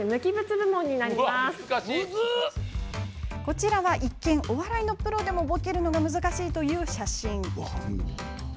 こちらは、一見お笑いのプロでもぼけるのが難しい写真。